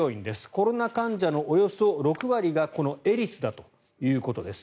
コロナ患者のおよそ６割がこのエリスだということです。